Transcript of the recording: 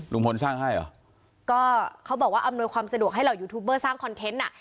ลุงพลสร้างให้เหรอก็เขาบอกว่าอำนวยความสะดวกให้เหล่ายูทูบเบอร์สร้างคอนเทนต์อ่ะ